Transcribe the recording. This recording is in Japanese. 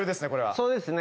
そうですね。